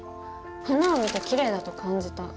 花を見てキレイだと感じた。